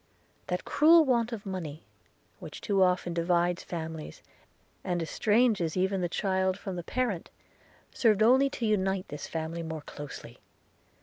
That cruel want of money, which too often divides families, and estranges even the child from the parent, served only to unite this family more closely.